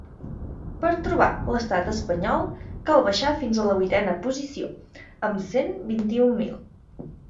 Per trobar l’estat espanyol cal baixar fins a la vuitena posició, amb cent vint-i-un mil.